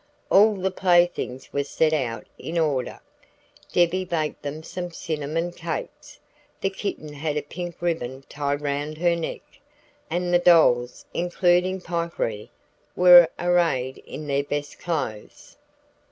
All the playthings were set out in order. Debby baked them some cinnamon cakes, the kitten had a pink ribbon tied round her neck, and the dolls, including "Pikery," were arrayed in their best clothes.